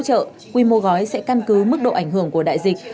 hỗ trợ quy mô gói sẽ căn cứ mức độ ảnh hưởng của đại dịch